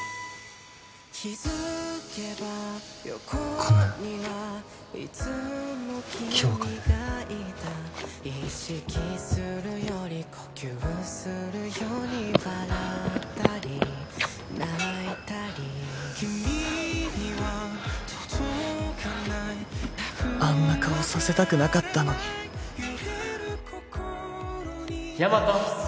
ごめん今日は帰るあんな顔させたくなかったのにヤマト！